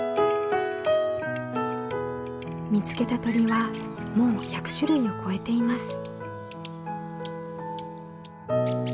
見つけた鳥はもう１００種類を超えています。